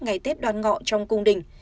ngày tết đoàn ngọc trong cung đình